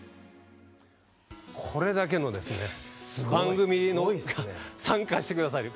これだけの番組が参加してくださる。